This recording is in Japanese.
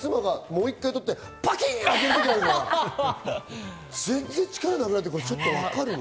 妻がもう１回取ってパキンって開けるから、全然力なくなって、これちょっと分かるわ。